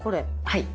はい。